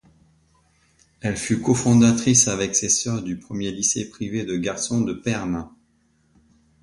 Elle fut confodatrice avec ses sœurs du premier lycée privé de garçons de Perm.